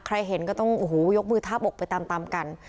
ใครเห็นก็ต้องยกมือทาบอกไปตามกัน